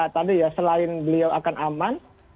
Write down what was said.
tadi ya selain beliau akan aman